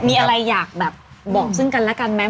มีอะไรอยากแบบบอกซึ่งกันและกันไหม